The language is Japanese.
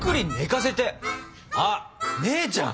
あっ姉ちゃん！